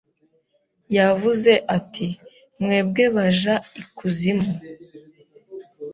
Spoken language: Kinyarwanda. Yavuze ati Mwebwe baja ikuzimu